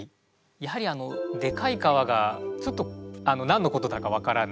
やはりあの「でかい皮」がちょっと何のことだか分からない。